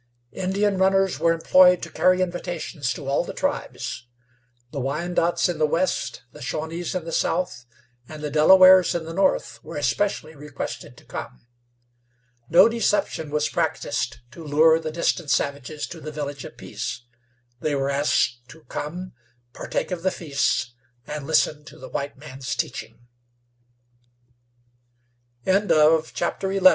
Indian runners were employed to carry invitations to all the tribes. The Wyandots in the west, the Shawnees in the south, and the Delawares in the north were especially requested to come. No deception was practiced to lure the distant savages to the Village of Peace. They were asked to come, partake of the feasts, and listen to the white man's teaching. Chapter XII.